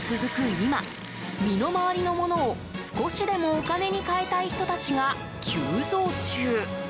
今身の回りのものを少しでもお金に変えたい人たちが急増中。